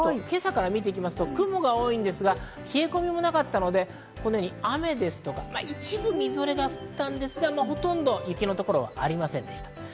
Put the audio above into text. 今朝から見ていきますと雲が多いんですが、冷え込みもなかったので、雨、一部みぞれが降ったんですが、ほとんど雪の所はありませんでした。